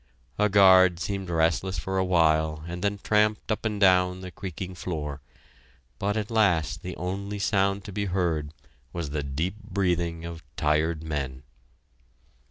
A guard seemed restless for a while and tramped up and down the creaking floor... but at last the only sound to be heard was the deep breathing of tired men.